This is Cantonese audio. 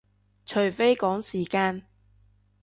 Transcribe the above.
除非趕時間